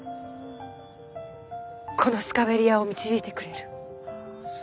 このスカベリアを導いてくれる。